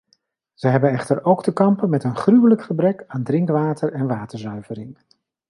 Zij hebben echter ook te kampen met een gruwelijk gebrek aan drinkwater en waterzuivering.